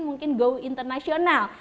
mungkin go internasional